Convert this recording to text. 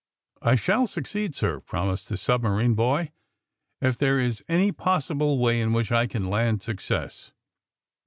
'' I shall succeed, sir," promised the siihma rine boy, *4f there is any possible way in which I can land success."